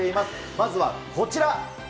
まずはこちら。